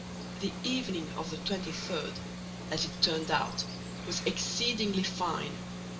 The evening of the 23rd, as it turned out, was exceedingly fine.